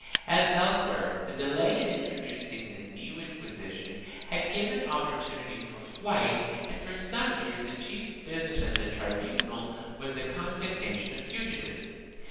As else where, the delay in introducing the new Inquisition had given opportunity for flight and for some years the chief business of the tribunal was the condemnation of fugitives.